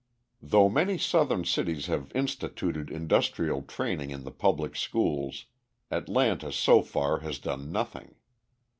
Though many Southern cities have instituted industrial training in the public schools, Atlanta so far has done nothing.